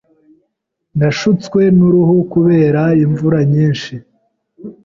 Nashutswe ku ruhu kubera imvura nyinshi.